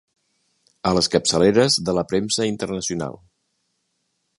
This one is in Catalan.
A les capçaleres de la premsa internacional.